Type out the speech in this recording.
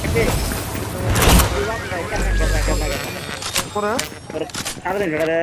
নির্বাচনে তাঁকে বাধাগ্রস্ত করতেই তাঁর কর্মী-সমর্থকদের নামে মিথ্যা মামলা করা হয়েছে।